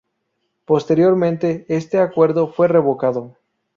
Posteriormente este acuerdo fue revocado.